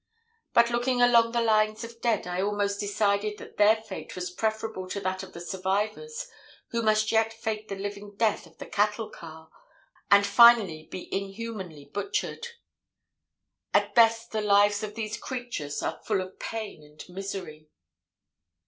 But, looking along the lines of dead, I almost decided that their fate was preferable to that of the survivors who must yet face the living death of the cattle car, and finally be inhumanly butchered. At best the lives of these creatures are full of pain and misery.